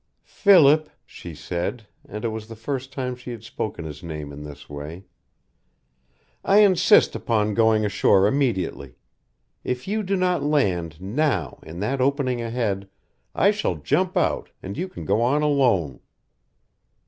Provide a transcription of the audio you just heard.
"Philip," she said and it was the first time she had spoken his name in this way, "I insist upon going ashore immediately. If you do not land now in that opening ahead, I shall jump out, and you can go on alone."